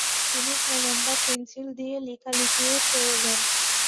তিনি কলম বা পেন্সিল দিয়ে লেখালেখিও ছেড়ে দেন।